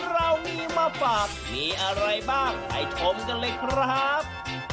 เรามีมาฝากมีอะไรบ้างไปชมกันเลยครับ